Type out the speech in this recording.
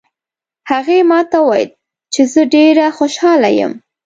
هغې ما ته وویل چې زه ډېره خوشحاله یم